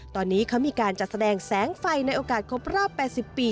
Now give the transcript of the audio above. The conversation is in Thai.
ตอนนี้เขามีการจัดแสดงแสงไฟในโอกาสครบรอบ๘๐ปี